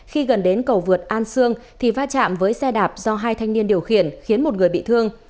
khi gần đến cầu vượt an sương thì va chạm với xe đạp do hai thanh niên điều khiển khiến một người bị thương